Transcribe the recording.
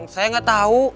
saya gak tahu